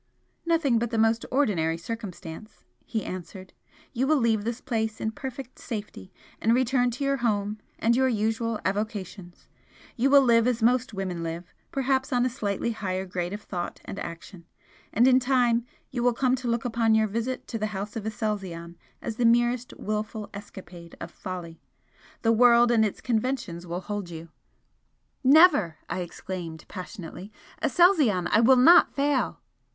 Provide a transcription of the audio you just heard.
"Nothing but the most ordinary circumstance," he answered "You will leave this place in perfect safety and return to your home and your usual avocations, you will live as most women live, perhaps on a slightly higher grade of thought and action and in time you will come to look upon your visit to the House of Aselzion as the merest wilful escapade of folly! The world and its conventions will hold you " "Never!" I exclaimed, passionately "Aselzion, I will not fail!"